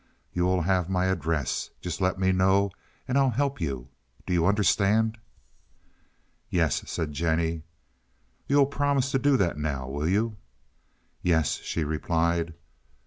You will have my address. Just let me know, and I'll help you. Do you understand?" "Yes," said Jennie. "You'll promise to do that now, will you?' "Yes," she replied.